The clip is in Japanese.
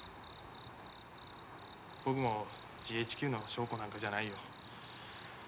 僕もＧＨＱの将校なんかじゃないよ。